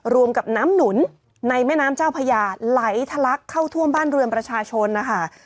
รวมกับน้ำหนุนในแม่น้ำเจ้าพญาไหลทะลักเข้าท่วมบ้านเรือนประชาชนนะคะ